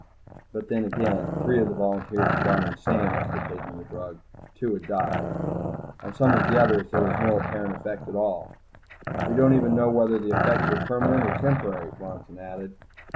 But then again, three of the volunteers had gone insane after taking the drug. Two had died. On some of the others there was no apparent effect at all. "We don't even know whether the effects are permanent or temporary," Bronson had added.